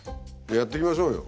やっていきましょうよ。